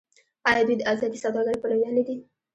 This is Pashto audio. آیا دوی د ازادې سوداګرۍ پلویان نه دي؟